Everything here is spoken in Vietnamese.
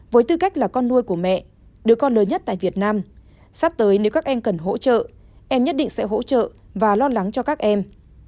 với tư cách là con nuôi của mẹ đứa con lớn nhất tại việt nam sắp tới nếu các em cần hỗ trợ em nhất định sẽ hỗ trợ và lo lắng cho các em